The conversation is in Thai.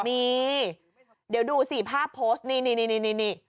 มีเดี๋ยวดูสิภาพโพสต์นี่